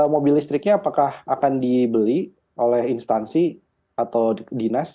mobil listriknya apakah akan dibeli oleh instansi atau dinas